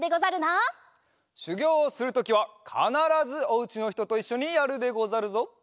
しゅぎょうをするときはかならずおうちのひとといっしょにやるでござるぞ。